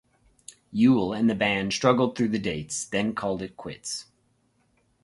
Yule and the band struggled through the dates, then called it quits.